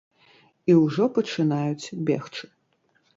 І ўжо пачынаюць бегчы.